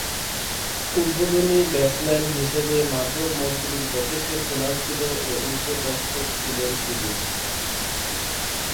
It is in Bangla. উদ্বোধনী ব্যাটসম্যান হিসেবে মাধব মন্ত্রীর যথেষ্ট সুনাম ছিল ও উইকেট-রক্ষক ছিলেন তিনি।